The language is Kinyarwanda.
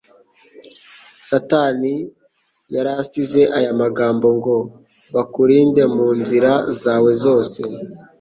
Satani yari asize aya magambo ngo «bakurinde mu nzira zawe zose».